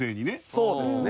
そうですね。